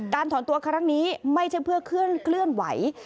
ถอนตัวครั้งนี้ไม่ใช่เพื่อเคลื่อนไหว